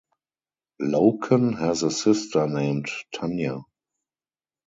Loken has a sister named Tanya.